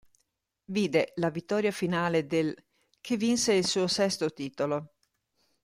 Vide la vittoria finale dell', che vinse il suo sesto titolo.